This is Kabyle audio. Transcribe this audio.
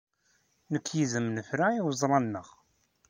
Nekk yid-m nefra iweẓla-nneɣ.